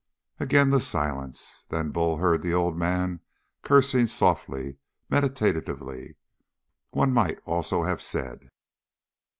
Again the silence. Then Bull heard the old man cursing softly meditatively, one might almost have said.